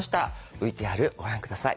ＶＴＲご覧下さい。